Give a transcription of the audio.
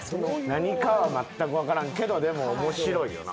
何かはまったく分からんけど面白いよな。